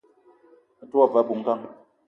Me te wa ve abui-ngang